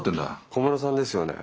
小室さんですよね？